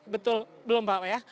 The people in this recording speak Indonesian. betul belum pak ya